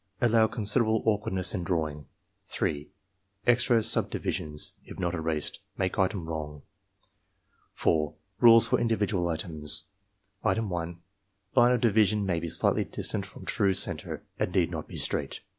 Allow considerable awkwardness in drawing, 3. Extra subdivisions, if not erased, make item wrong. 4. Rules for individual items: Item 1. — Line of division may be slightly distant from true center, and need not be straight.